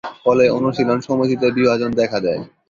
ফলে অনুশীলন সমিতিতে বিভাজন দেখা দেয়।